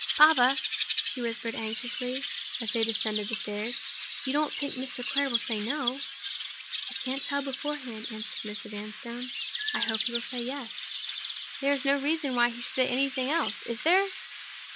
"Papa!" she whispered anxiously, as they descended the stairs; "you don't think Mr. Clare will say No?" "I can't tell beforehand," answered Mr. Vanstone. "I hope he will say Yes." "There is no reason why he should say anything else—is there?"